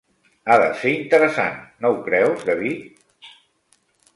Ha de ser interessant, no ho creus, David?